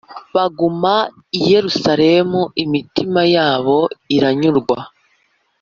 Baguma i Yerusalemu imitima yabo iranyurwa